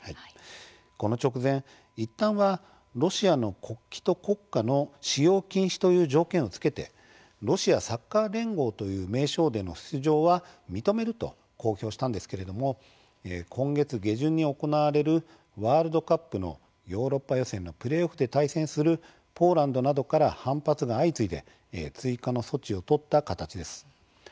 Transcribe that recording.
この直前、いったんはロシアの国旗と国歌の使用禁止という条件をつけてロシアサッカー連合という名称での出場は認めると公表したんですけれども今月下旬に行われるワールドカップのヨーロッパ予選のプレーオフで対戦するポーランドなどから反発が相次いで追加の措置を取った形です。